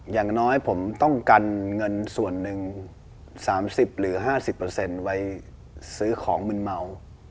อย่างน้อยผมต้องกันเงินส่วนหนึ่ง๓๐หรือ๕๐ไว้ซื้อของมืนเมา